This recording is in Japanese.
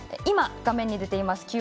画面に出ています